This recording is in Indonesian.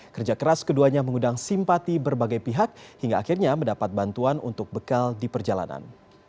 kerja keras keduanya mengundang simpati berbagai pihak hingga akhirnya mendapat bantuan untuk bekal di perjalanan